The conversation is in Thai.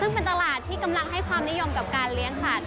ซึ่งเป็นตลาดที่กำลังให้ความนิยมกับการเลี้ยงสัตว